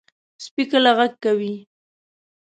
سپي کله غږ کوي.